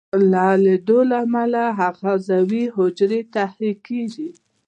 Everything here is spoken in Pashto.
د حلېدو له امله آخذوي حجرې تحریکیږي.